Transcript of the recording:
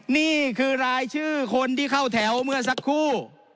นี่คือรายชื่อคนที่เข้าแถวเมื่อสักครู่